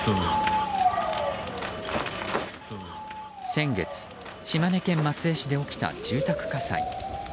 先月、島根県松江市で起きた住宅火災。